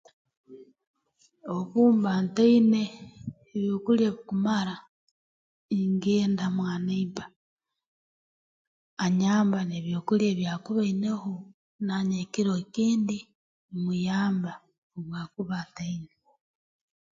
Obu mba ntaine byokulya bikumara ingenda mwa neibba anyamba n'ebyokulya ebi akuba aineho naanye ekiro ekindi muyamba obu akuba ataine